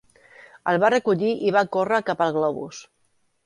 El va recollir i va córrer cap al globus.